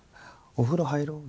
「お風呂入ろう」